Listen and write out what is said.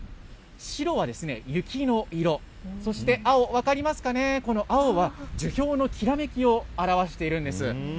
白はですね、雪の色、そして青、分かりますかね、この青は、樹氷のきらめきを表しているんです。